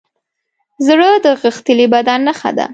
زړه د غښتلي بدن نښه ده.